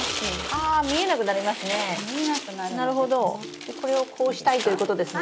でこれをこうしたいということですね？